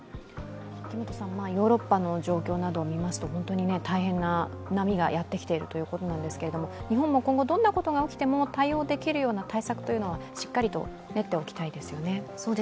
ヨーロッパの状況などをみますと本当に大変な波がやってきているということですが日本も今後どんなことが起きても対応できるような対策はしっかりと練っておきたいですよね。